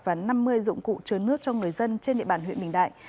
và năm mươi dụng cụ chứa nước cho người dân trên địa bàn huyện bình đại